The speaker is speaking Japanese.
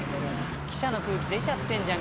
記者の空気出ちゃってんじゃん。